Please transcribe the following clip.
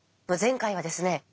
前回はですね